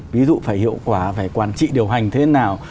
ví dụ phải hiệu quả phải quản trị điều hành thế nào